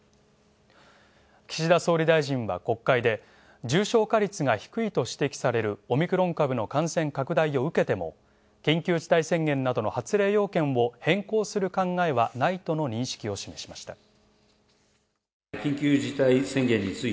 岸田総理大臣は国会で重症化率が低いと指摘されるオミクロン株の感染拡大を受けても緊急事態宣言などの発令要件を変更する考えはないとの認識を示しました。